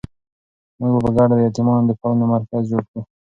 موږ به په ګډه د یتیمانو د پالنې مرکز جوړ کړو.